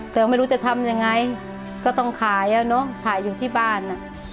แต่พอไม่รู้จะทำยังไงก็ต้องขายนะรึป่าตอนอยู่ที่บ้านนะ